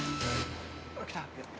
あっ来た。